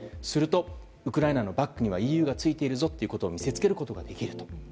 するとウクライナのバックにはＥＵがついているぞと見せつけることができると。